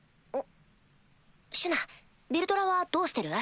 シュナヴェルドラはどうしてる？